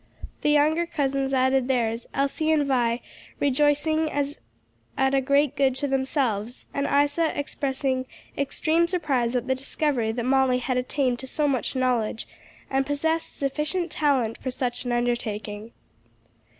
The younger cousins added theirs, Elsie and Vi rejoicing as at a great good to themselves, and Isa expressing extreme surprise at the discovery that Molly had attained to so much knowledge, and possessed sufficient talent for such an undertaking.